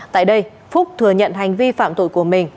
tại đây phúc thừa nhận hành vi phạm tội của mình